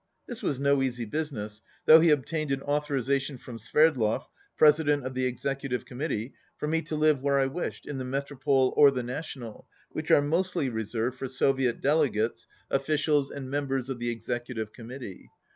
This was no easy business, though he ob tained an authorization from Sverdlov, president of the executive committee, for me to live where I wished, in the Metropole or the National, which are mostly reserved for Soviet delegates, officials 27 and members of the Executive Committee.